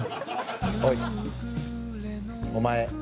おいお前